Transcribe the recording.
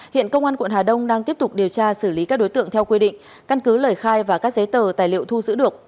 hiện công an quận hà đông đang tiếp tục điều tra xử lý các đối tượng theo quy định căn cứ lời khai và các giấy tờ tài liệu thu giữ được